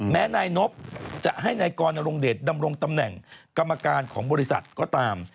แม้นายนบจะให้นายกรณรงเดชดำรงตำแหน่งกรรมการของบริษัทก็ตาม